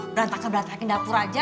berantakan berantakin dapur aja